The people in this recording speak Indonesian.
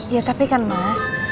ya tapi kan mas